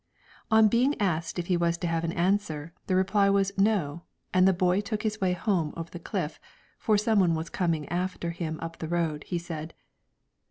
On being asked if he was to have an answer, the reply was No; and the boy took his way home over the cliff, for some one was coming after him up on the road, he said.